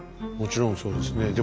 もちろんそうですね。